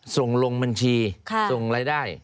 ส่งลงบัญชีส่งรายได้